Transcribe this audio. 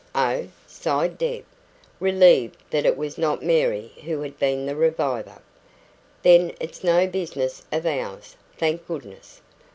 "Oh," sighed Deb, relieved that it was not Mary who had been the reviver; "then it's no business of ours, thank goodness."